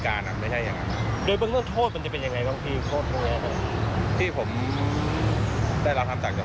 ถ้าลงมาลงมือพีชร้อยเปอร์เซ็นต์อยู่แล้ว